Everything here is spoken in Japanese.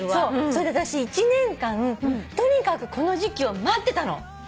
それで私１年間とにかくこの時季を待ってたの。